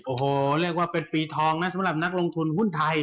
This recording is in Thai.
โอ้โหเรียกว่าเป็นปีทองนะสำหรับนักลงทุนหุ้นไทย